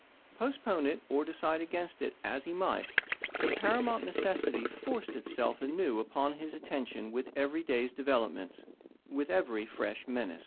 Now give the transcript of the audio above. Postpone °pU58.ie' it, or decide against it as he might, the paramount necessity forced itself anew upon his attention with every day's developments, with every fresh menace.